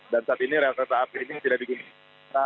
dan saat ini rel kereta api ini tidak dikumpulkan